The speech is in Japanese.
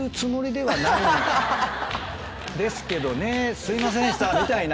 「ですけどねすいませんでした」みたいな。